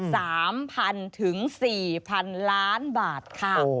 สามพันธุ์ถึงสี่พันธุ์ล้านบาทค่ะโอ้โฮ